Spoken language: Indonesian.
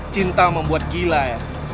cinta membuat gila ya